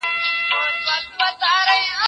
سلطان ملخي د توخو د قبیلې مشر و.